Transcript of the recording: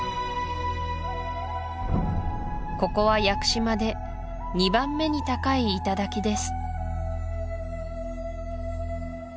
ここは屋久島で２番目に高い頂です